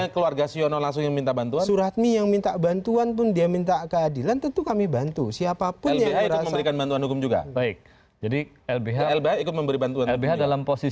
kalau penangkapan anda datang aja di mabes polri